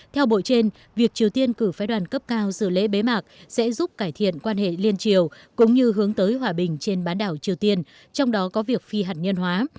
theo bộ trên việc triều tiên cử phái đoàn cấp cao dự lễ bế mạc sẽ giúp cải thiện quan hệ liên triều cũng như hướng tới hòa bình trên bán đảo triều tiên trong đó có việc phi hạt nhân hóa